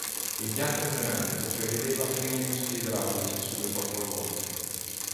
L'impianto frenate prevedeva freni a disco idraulici sulle quattro ruote.